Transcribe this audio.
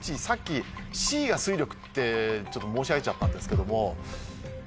さっきＣが水力ってちょっと申し上げちゃったんですけども。